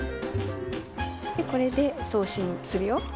でこれで送信するよ？